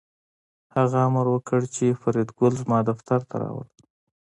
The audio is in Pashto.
هغه امر وکړ چې فریدګل زما دفتر ته راوله